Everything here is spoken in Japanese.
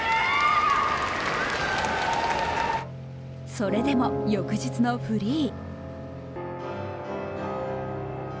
それでも翌日のフリー。